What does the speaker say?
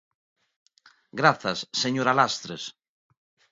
Grazas, señora Lastres.